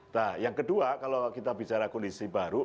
nah yang kedua kalau kita bicara kondisi baru